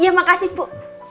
ya makasih ibu